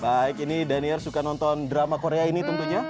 baik ini daniel suka nonton drama korea ini tentunya